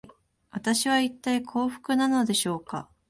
自分は、いったい幸福なのでしょうか